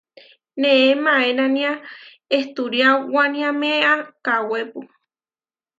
Neé maénania ehturiáwaníamea kawépu.